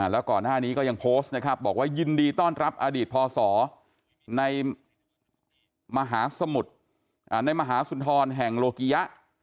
แล้วก่อนหน้านี้ก็ยังโพสต์นะครับบอกว่ายินดีต้อนรับอดีตพศในมหาสมุทรในมหาสุนทรแห่งโลกิยะ